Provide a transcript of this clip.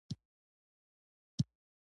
ويې ويل پخپله دى.